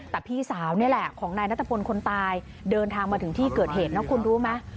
แต่พี่สาวนี่แหละของนายนัทพลคนตายเดินทางมาถึงที่เกิดเหตุนะคุณรู้ไหม